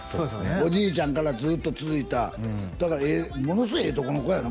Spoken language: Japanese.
おじいちゃんからずっと続いただからものすごいええとこの子やね